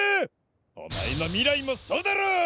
おまえのみらいもそうだろ！